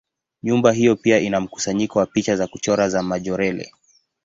Nyumba hiyo pia ina mkusanyiko wa picha za kuchora za Majorelle.